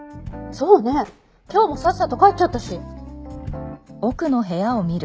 今日もさっさと帰っちゃったし。